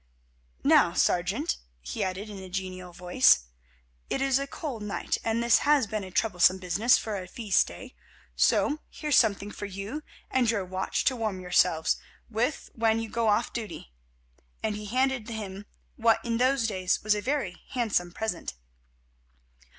"Now, sergeant," he added, in a genial voice, "it is a cold night, and this has been a troublesome business for a feast day, so here's something for you and your watch to warm yourselves with when you go off duty," and he handed him what in those days was a very handsome present.